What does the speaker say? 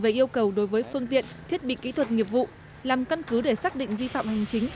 về yêu cầu đối với phương tiện thiết bị kỹ thuật nghiệp vụ làm căn cứ để xác định vi phạm hành chính